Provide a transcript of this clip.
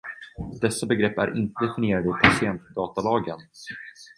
Dessa begrepp är inte definierade i patientdatalagen.